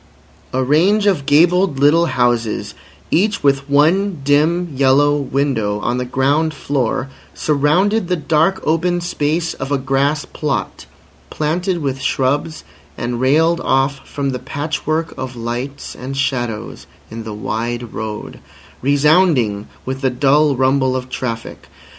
A range of gabled little houses, each with one dim yellow window, on the ground floor, surrounded the dark open space of a grass plot planted with shrubs and railed off from the patchwork of lights and shadows in the wide road, resounding with the dull rumble of traffic.